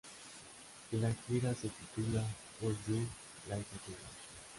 La gira se titula Would You Like A Tour?